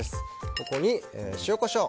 ここに塩、コショウ。